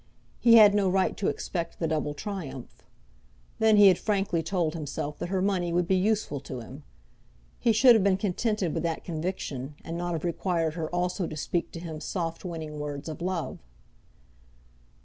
He had no right to expect the double triumph. Then he had frankly told himself that her money would be useful to him. He should have been contented with that conviction, and not have required her also to speak to him soft winning words of love.